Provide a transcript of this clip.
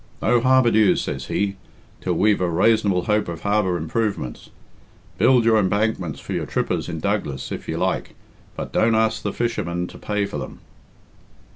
'No harbour dues,' says he, 'till we've a raisonable hope of harbour improvements. Build your embankments for your trippers in Douglas if you like, but don't ask the fisher , men to pay for them.'"